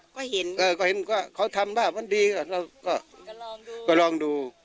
ก็เห็นว่าเค้าทำบ้างดีเราก็ลองดู